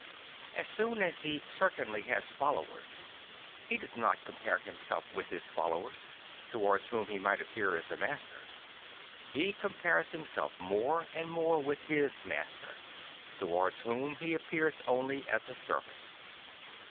So soon as he certainly has followers, he does not compare himself with his followers, towards whom he might appear as a master; he compares himself more and more with his Master, towards whom he appears only as a servant.